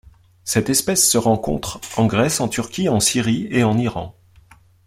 Cette espèce se rencontre en Grèce, en Turquie, en Syrie et en Iran.